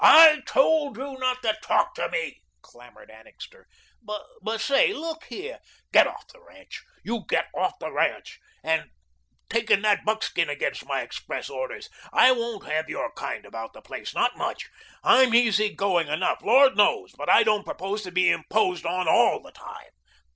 "I told you not to TALK to me," clamoured Annixter. "But, say, look here " "Get off the ranch. You get off the ranch. And taking that buckskin against my express orders. I won't have your kind about the place, not much. I'm easy going enough, Lord knows, but I don't propose to be imposed on ALL the time.